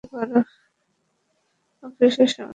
অফিসের সমস্যা মেটাতে চেষ্টা করবেন।